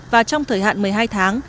và trong thời hạn một mươi hai tháng